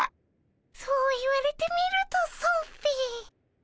そう言われてみるとそうっピ。